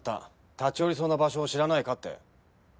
立ち寄りそうな場所を知らないかって。